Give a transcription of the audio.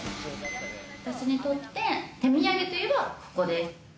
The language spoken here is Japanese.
私にとって手土産といえば、ここです。